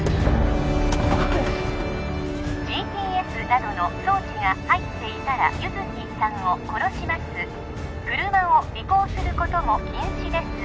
ＧＰＳなどの装置が入っていたら優月さんを殺します車を尾行することも禁止です